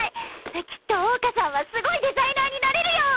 きっと桜花さんはすごいデザイナーになれるよ。